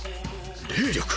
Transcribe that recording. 霊力！